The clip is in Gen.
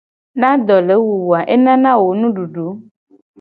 Ne ado le wu wo a enana wo nududu.